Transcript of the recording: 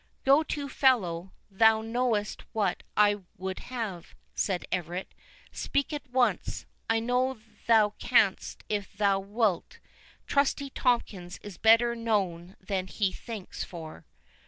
"Go to, fellow; thou knowest what I would have," said Everard; "speak at once; I know thou canst if thou wilt. Trusty Tomkins is better known than he thinks for."